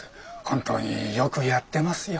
本当によくやってますよ。